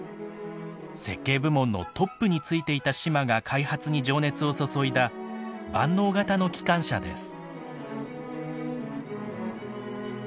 設計部門のトップについていた島が開発に情熱を注いだ万能型の機関車です。